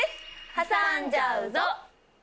はさんじゃうぞ！